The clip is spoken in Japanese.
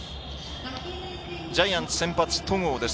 ジャイアンツ先発、戸郷です。